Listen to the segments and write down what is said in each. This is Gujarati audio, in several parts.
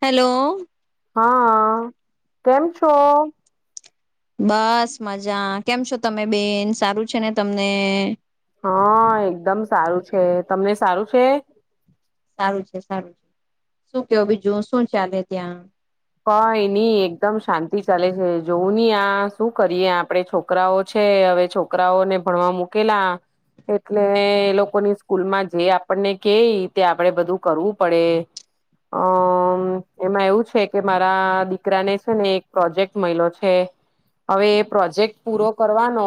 હેલો! હા! કેમ છો? બસ મજા કેમ છો? તમે બેન સારું છે ને તમને? હા એકદમ સારું છે. તમને સારું છે. સારું છે, સારું છે. શું ક્યોં બીજું શું ચાલે ત્યાં.? કઈ નઈ એકદમ શાંતિ ચાલે છે. જોવું ની આ શું કરીએ આપડે છોકરાઓ છે, હવે છોકરાઓને ભણવા મૂકેલા, એટલે એ લોકોની સ્કૂલમાં જે આપણને કેય તે આપડે બધું કરવું પડે. આ એમાં એવું છે કે મારા દીકરાને છે ને એક પ્રોજેક્ટ મયલો છે, હવે એ પ્રોજેક્ટ પૂરો કરવાનો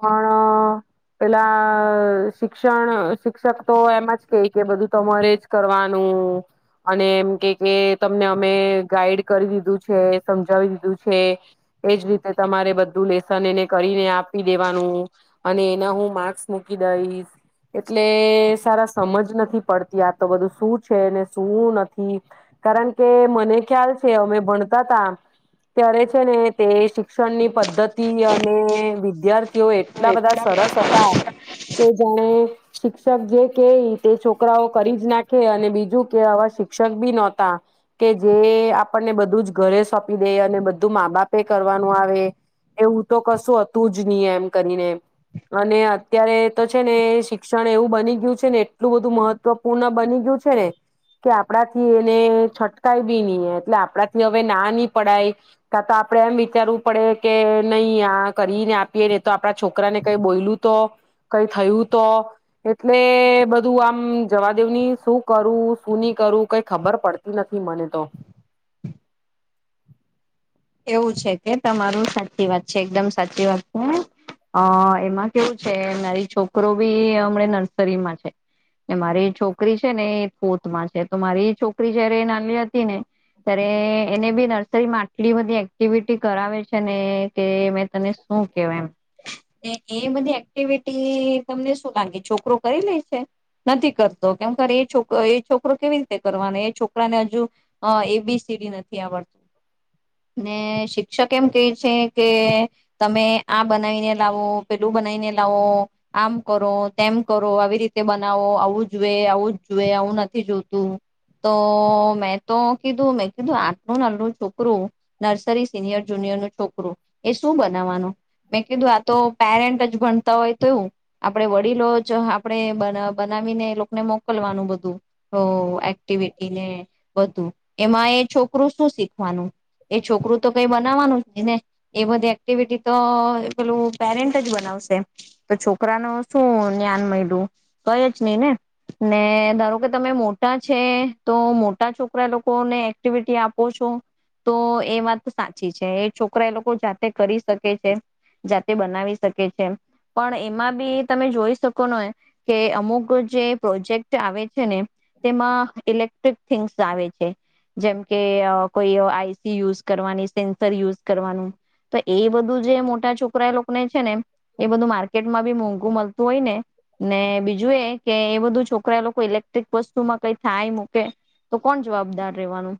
પણ, આ પેલા શિક્ષણ આ શિક્ષક તો એમાં જ કે કે બધું તમારે જ કરવાનું, અને એમ કે કે તમને અમે ગાઈડ કરી દીધું છે, સમજાવી દીધું છે, એજ રીતે તમારે બધું લેસન એને કરીને આપી દેવાનું, અને એના હું માર્ક્સ મૂકી દઈશ એટલે સારા સમજ નથી પડતી આ તો બધું શું છે, ને શું નથી કારણ કે મને ખ્યાલ છે, અમે ભણતા હતા ત્યારે છે, ને તે શિક્ષણની પદ્ધતિ અને વિદ્યાર્થી તેઓ એટલા બધા સરસ હતા, કે જાણે શિક્ષક જે કે તે છોકરાઓ કરી જ નાખે અને બીજું કે આવા શિક્ષક બી નહોતા કે જે જે આપણને બધું જ ઘરે સોંપી દે અને બધું મા બાપે કરવાનું આવે એવું તો કશું હતું જ નહી એમ કરીને અને અત્યારે તો છે, ને શિક્ષણ એવું બની ગયું છે, ને એટલું બધું મહત્વપૂર્ણ બની ગયું છે, ને કે આપણા થી એને છટ કઈ બી નહી એટલે આપડા થી હવે ના ની પડાય કાં તો આપણેે એમ વિચારવું પડે કે નહી આ કરીને આપીએ ને તો આપણા છોકરાને કઈ બોયલું તો કઈ થયું તો એટલે બધું આમ જવાદેવની શું કરું શું નહી કરું કઈ ખબર પડતી નથી મને તો. એવું છે, કે તમારું સાચી વાત છે, એકદમ સાચી વાત છે, અ એમાં કેવું છે મારી છોકરો બી હમણા નર્સરીમાં છે, મારી છોકરી છે, ને એ ફથમાં છે, તો મારી છોકરી જયારે નાની હતી ને ત્યારે એ એને બી નર્સરીમાં એટલી બધી એક્ટિવિટી કરાવે છે, ને કે મેં તને શું કેવું એમ ને એ બધી એક્ટિવિટી તમને શું લાગે છોકરો કરી લે છે, નથી કરતો કેમ એ છોકરો એ [unintelligible] કેવી રીતે કરવાનો એ છોકરાને હજુ આ એ બી સી ડી નથી આવડતું. ને શિક્ષક એમ કે છે કે તમે આ બનાવીને લાવો પેલું બનાવીને લાવો આમ કરો તેમ કરો આવી રીતે બનાવો આવું જુએ આવું જ જોુએ આવું નથી જોતું તો મેં તો કીધું મેં કીધું આટલું નાલુ છોકરું નર્સરી સિનિયર જુનિયરનું છોકરો એ શું બનાવવાનો મેં કીધું આ તો પેરેન્ટ જ ભણતા હોય તો એવું આપણેે વડીલો જ આપણેે બનાવ બનાવીને એ લોકોને મોકલવાનું બધું ઓ એક્ટિવિટીને બધું એમાં એ છોકરું શું શીખવાનું. એ છોકરું તો કઈ બનાવવાનું જ નહી ને એ બધી એક્ટિવિટી તો પેલું પેરેન્ટ જ બનાવશે તો છોકરા નું શું જ્ઞાન મળ્યું કઈ જ નહી ને ને ધારો કે તમે મોટા છે, તો મોટા છોકરા લોકોને એક્ટિવિટી આપો છો તો એ વાત સાચી છે, એ છોકરા એ લોકો જાતે કરી શકે છે, જાતે બનાવી શકે છે, પણ એમાં બી તમે જોઈ શકો નો કે અમુક જે પ્રોજેક્ટ આવે છે, ને તેમાં ઇલેક્ટ્રિક થિંગ્સ આવે છે, જેમ કે આ કોઈ આઈ યુઝ કરવાની સેન્સર યુઝ કરવાનું તો એ બધું જે મોટા છોકરા લોકોને છે ને એ બધું માર્કેટમાં બી મોઘ. [unintelligible] હોય ને ને બીજું એ કે એ બધું છોકરા લોકો ઇલેક્ટ્રિક વસ્તુમાં કઈ થાય મૂકે તો કોણ જવાબદાર રહેવાનું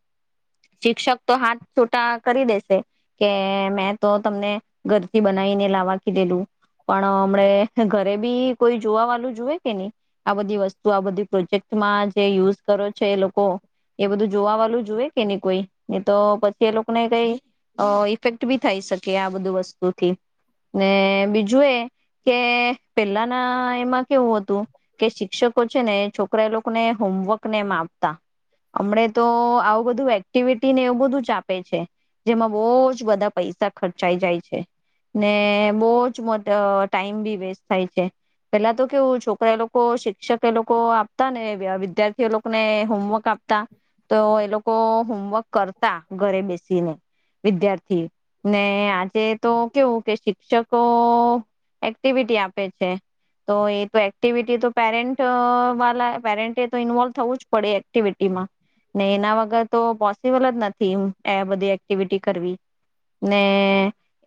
શિક્ષક તો હાથ છોટા કરી દેશે કે મેં તો તમને ઘરથી બનાવીને લાવવા કીધેલું પણ અમને ઘરે બી કોઈ જોવા વાળું જુએ કે નહી આ બધી વસ્તુ આ બધી પ્રોજેક્ટમાં જે યુઝ કરો છે, લોકો એ બધું જોવા વાળું જુએ કે નહી કોઈ. એ તો પ તે લોકોને કઈ ઇફેક્ટ બી થઈ શકે આ બધું વસ્તુથી ને બીજું એ કે પેલા ના એમાં કેવું હતું કે શિક્ષકો છે, ને છોકરા એ લોકોને હોમવર્ક ને એમ આપતા હમને તો આવું બધું એક્ટિવિ ને એવું બધું જ આપે છે, જેમાં બો જ બધા પૈસા ખર્ચાઈ જાય છે, ને બો જ મોટ ટાઈમ બી વેસ્ટ થાય છે, પેલા તો કેવું છોકરા એ લોકો શિક્ષક એ લોકો આપતા ને વિદ્યાર્થી એ લોકોને હોમવર્ક આપતા તો એ લોકો હોમવર્ક તા ઘરે બેસી ને. વિદ્યાર્થી ને આજે તો કેવું કે શિક્ષકો એક્ટિવિટી આપે છે, તો એ તો એક્ટિવિટી તો પેરેન્ટ વા પેરેન્ટ તો ઇન્વોલ્વ થવું જ પડે એક્ટિવિટીમાં ને એના વગર તો પો પોસિબલ જ નથી, હુ એ બધી એક્ટ એકિવિ કરવી ને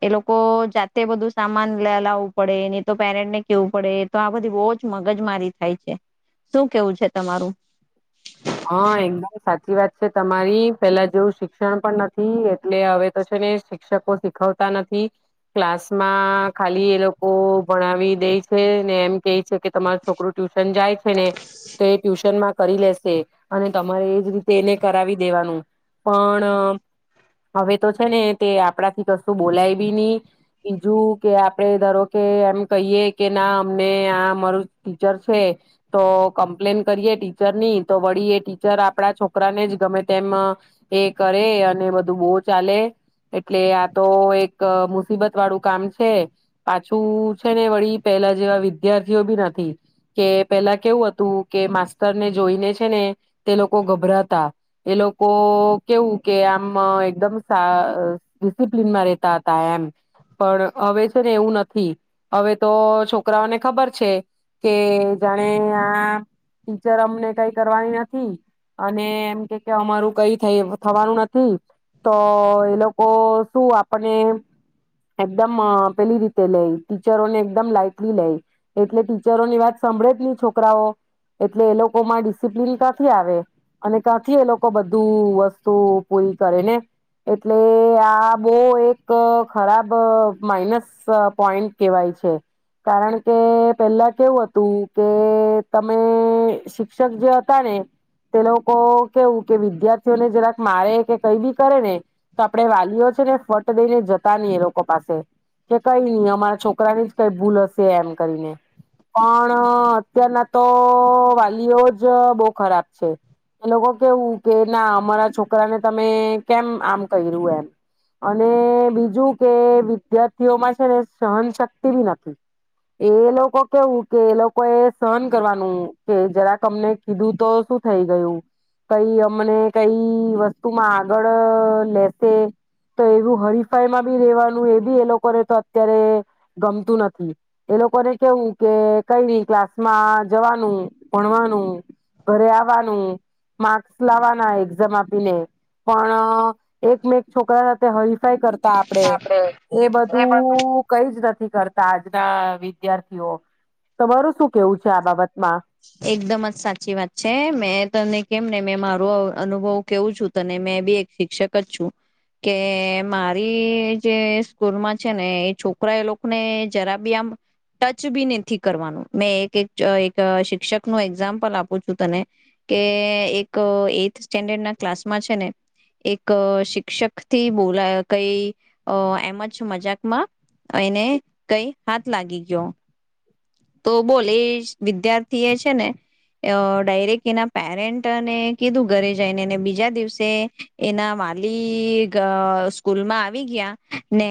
એ લોકો જાતે બધું સામાન લા લાવું પડે ને તો પેરેન્ટ ને કેવું પડે તો આ બધી બો જ મગજ મારી થાય છે, શું કેવું છે, તમારું. હા એકદમ સાચી વાત છે, તમારી પેલા જેવું શિક્ષણ પણ નથી એટલે હવે તો છે, ને શિક્ષકો શીખવતા નથી ક્લાસમાં ખાલી એ લોકો ભણાવી દે છે ને એમ કે છે કે તમારું છોકરું ટ્યુશન જાય છે, ને તો એ ટ્યુશન માં કરી લેશે અને તમારે એજ રીતે એને કરાવી દેવાનું પણ હવે તો છે, ને તે આપણા થી કશું બોલાય બી નહી બીજું કે આપડે ધારો કે એમ કહીએ કે ના અમને આ અમારું ટીચર છે, તો કમ્પ્લેન કરીએ ટીચર ની તો વળી એ ટીચર આપણા છોકરાને જ ગમે તેમ એ કરે અને બધું બો ચાલે એટલે આ તો એક મુસીબત વાળું કામ છે, પાછું છે ને વળી પેલા જેવા વિદ્યાર્થીઓ બી નથી કે પેલા કેવું હતું કે માસ્ટર ને જોઈને જ ને તે લોકો ગભરાતા એ લોકો કેવું કે આમ એકદમ સા ડિસિપ્લીનમાં રેતા હતા એમ, પણ હવે છે ને એવું નથી હવે તો છોકરાઓને ખબર છે કે જાણે આ ટીચર અમને કઈ કરવા નથી અને એમ કે અમારું કઈ થવાનું નથી તો એ લોકો શું આપને એકદમ પેલી રીતે લે ટીચરોને એકદમ લાઈટલી લે એટલે ટીચરો ની વાત સાભળે જ નહી છોકરાઓ એટલે એ લોકોમાં ડિસપ્લન ક્યાંથી આવે અને ક્યાંથી એ લોકો બધું વસ્તુ પૂરી કરે ને એટલે આ બહુ એક ખરાબ માઇનસ પોઈન્ટ કેહેવાય છે કારણ કે પેલા કેવું હતું કે તમે શિક્ષ શિક્ષ જે હતા ને તે લોકો કેવું કે વિદ્યાર્થીઓને જરાક મારે કે કઈ બી કરે ને તો આપણે વાલીઓ છે ને ફટ દઈને જતા નહી એ લોકો પાસે કે કઈ ન અમારા છોકરાની જ કઈ ભૂલ હશે એમ કરીને પણ અત્યારના તો વાલીઓ બહુ ખરાબ છે એ લોકો કેવું કે ના અમારા છોકરાને તમે કેમ આમ કર્યું એમ અને બીજું કે વિદ્યાર્થીઓમાં છે ને સહનશક્તિ નથી, એ લોકો કેવું કે એ લોકો એ સહન કરવાનું કે જરાક. અમને કીધું તો શું થઈ ગયું, કઈ અમને કઈ વસ્તુમાં આગળ લેશે તો એવું હરીફાઈ માં બી રેવાનું એ બી એ લોકોને તો અત્યારે ગમતું નથી, એ લોકોને કેવું કે કઈ ન ક્લાસ માં જવાનું ભણવાનું. [unintelligible] મા લાવવાના એઝામ આપીને પણ, એકમેક છોકરા સાથે હ કરતા આપડે, એ બધું કઈ જ નથી. કરતા આજના વિદ્યાર્થીઓ, તમારું શું કેવું છે આ બાબતમાં? એકદમ જ સાચી વાત છે મેં તને કેમ ને મેં મારું અનુભવ કેવું છું તને મેં બી એક શિક્ષક જ છું, કે મારી જે સ્કૂલમાં છે ને એ છોકરા એ લોકોને જરા બી આમ, ટચ બી નથી કરવાનું મેં એક એક એક શિક્ષક નું એક્ઝામ્પલ આપું છું તને, કે એક એથ સ્ટેન્ડર્ડ ના ક્લાસમાં છે ને, એક શિક્ષક થી બોલા કઈ એમ જ મજાકમાં, એને કઈ હાથ લાગી ગયો. તો બોલે વિદ્યાર્થી એ છે ને, ડાયરેક્ટ એના પેરેન્ટને કીધું ઘરે જઈનેને બીજા દિવસે, એના વાલી સ્કૂલમાં આવી ગયા, ને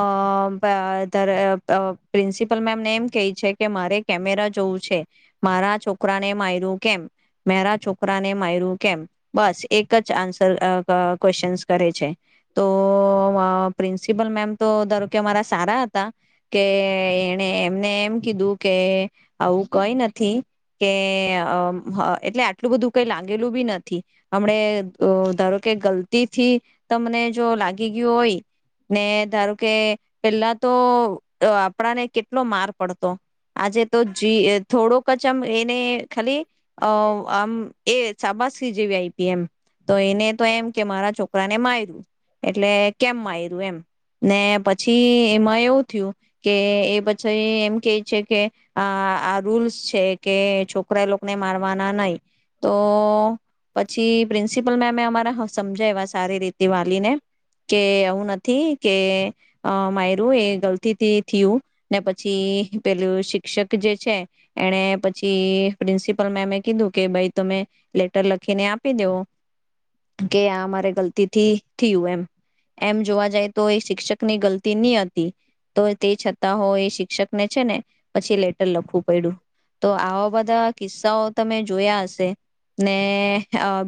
અ પ્રિન્સિપલ મેમને એમ કેય. કે મારે કેમેરા જોવું છે. મારા છોકરાને માયર્યું કેમ મારા છોકરાને મારર્યું કેમ બસ એક જ આન્સર ક્વેશ્ચન કરે છે. તો પ્રિન્સિપલ મેમ તો ધારો કે કે અરા સારા હતા કે એને એમને એમ કીધું કીધું કે આવું કઈ નથી કે એટલે આટલું બધું કઈ લાગેલું બી નથી હમ ધારો કે ગલતી થી તમને જો લાગી ગયું હોય ને ધારો કે પેલા તો આપણાને કેટલો માર પડતો પડતો તો આજે તો જ થોડોક જ આમ એને ખાલી આમ એ સાબાસી જેવી આઈપી એમ તો એને તો એમ કે મારા છોકરાને માર્યું. એટલે કેમ માયર્યું એમ ને પછ પછી એમાં એવું થયું કે એ પછી એમ કે છે કે આ આ રૂલ્સ છે કે છોકરા લોકોને મારવાના નહી, તો પછી પ્રિન્સિપલ મેમે અમારા સમજાવવા સારી રીતે વાલીને કે આવું નથી કે માયરું એ ગલતીથી થયું ને પછી પેલું શિક્ષક જે છે એને પછી પ્રિન્સિપલ મેમે કીધું કે ભાઈ તમે લેટર લખીને આપી દેવો કે આ મારે ગલતીથી થયું એમ એમ જોવા જાય તો એ શિક્ષક ની ગલતી નહી હતી, તો તે છતાં હો એ શિક્ષક ને છે ને પછી લેટર લખવું પડ્યું. તો આવા બધા કિસ્સાઓ તમે જોયા હશે ને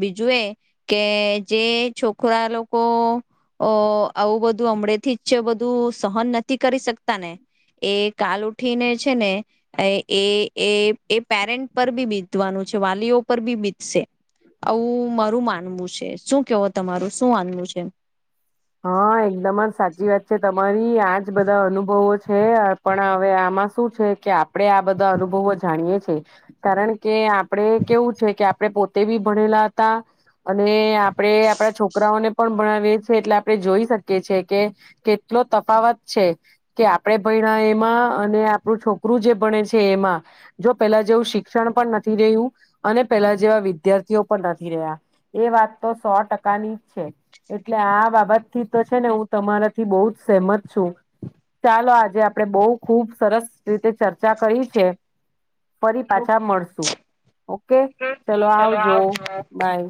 બીજું એ કે જે છોકરા લોકો આવું બધું હમડેથી જ છે બધું સહન નથી કરી શકતા સત્તાને કાલ ઉઠીને છે ને એ એ એ પેરેન્ટ પર બી બીતવાનું છે. વાલીઓ પર બી બીતશે આવું મારું માનવું છે. શું કેવો? તમારું શું માનવું છે? હા, એકદમ જ સાચી વાત છે તમારી મારી આજ બધા અનુભવો છે પણ હવે આમાં શું છે કે આપણે આપણે આ બધા અનુભવો જાણીએ છીએ. કારણ કે આપણેે કેવું છે કે આપણે પોતે બી ભણેલા હતા અને આપણેે આપડા છોકરાઓને પણ ભણાવએ છીએ એટલે આપણે જોઈ શકીએ છેએ કે કેટલો તફાવત છે કે આપણે ભણ એમાં અને આપણું છોકરું જે ભણે છે એમાં જો પેલા જેવું શિક્ષણ પણ નથી રહ્યું અને પેલા જેવા વિદ્યાર્થીઓ પણ નથી રહ્યા એ વાત તો સો ટકાની છે એટલે આ બાબત એથી તો છે ને હું તમારાથી બહુ જ સહેમત છું. ચાલો આજે આપડે બહુ ખુબ સરસ રીતે ચર્ચા કરી છે. ફરી પાછા ઓકે બાય. મળશુ. ઓકે! ચલો આવજો બાય.